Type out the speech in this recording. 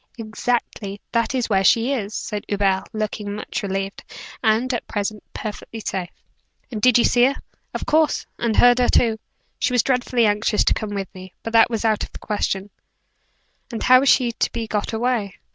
"Exactly. That is where she is," said Hubert, looking much relieved. "And, at present, perfectly safe." "And did you see her?" "Of course; and heard her too. She was dreadfully anxious to come with me; but that was out of the question." "And how is she to be got away?"